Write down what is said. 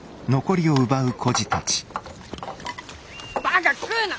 バカ食うな！